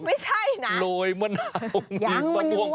มันเหลืองทอง